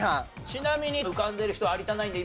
ちなみに浮かんでる人有田ナインでいました？